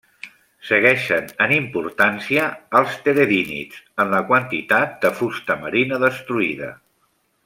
Segueixen en importància als teredínids en la quantitat de fusta marina destruïda.